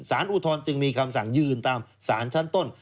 อุทธรณ์จึงมีคำสั่งยืนตามสารชั้นต้น